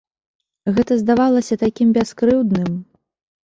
Гэта здавалася такім бяскрыўдным.